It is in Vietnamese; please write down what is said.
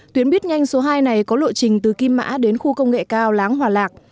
tuyến buýt nhanh số hai này có lộ trình từ kim mã đến khu công nghệ cao láng hòa lạc